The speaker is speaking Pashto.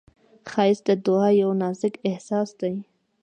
ښایست د دعا یو نازک احساس دی